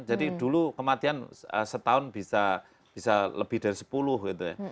jadi dulu kematian setahun bisa lebih dari sepuluh gitu ya